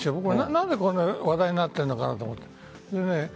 何で、こんな話題になってるのかなと思って。